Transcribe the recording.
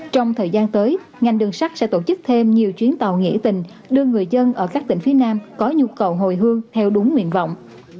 trong thời gian tới ngành đường sắt sẽ tổ chức thêm nhiều chuyến tàu nghỉ tình đưa người dân ở các tỉnh phía nam có nhu cầu hồi hương theo đúng nguyện vọng